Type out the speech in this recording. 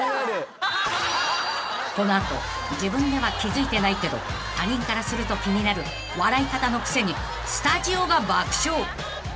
［この後自分では気付いてないけど他人からすると気になる笑い方の癖にスタジオが爆笑］